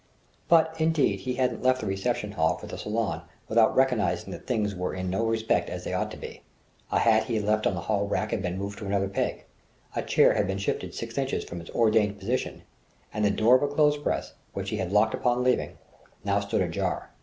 But, indeed, he hadn't left the reception hall for the salon without recognizing that things were in no respect as they ought to be: a hat he had left on the hall rack had been moved to another peg; a chair had been shifted six inches from its ordained position; and the door of a clothes press, which he had locked on leaving, now stood ajar.